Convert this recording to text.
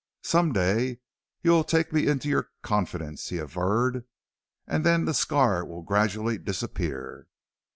"Some day you will take me into your confidence," he averred, "and then that scar will gradually disappear."